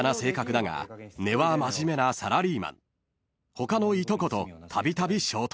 ［他のいとことたびたび衝突］